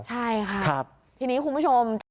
ใช่ค่ะทีนี้คุณผู้ชม